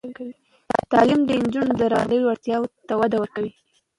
تعلیم د نجونو د رهبري وړتیاوو ته وده ورکوي.